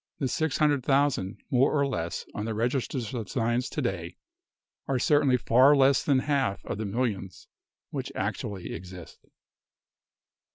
The six hun dred thousand, more or less, on the registers of Science to day are certainly far less than half of the millions which actually exist.